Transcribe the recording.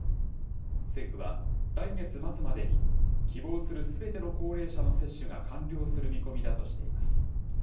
政府は、来月末までに希望するすべての高齢者の接種が完了する見込みだとしています。